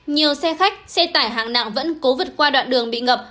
nhiều xe khách xe tải hạng nặng vẫn cố vượt qua đoạn đường bị ngập